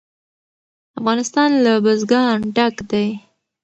افغانستان له بزګان ډک دی.